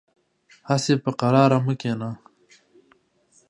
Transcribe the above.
هسې په قرار مه کېنه .